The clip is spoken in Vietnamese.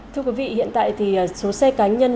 thưa quý vị hiện tại thì số xe cá nhân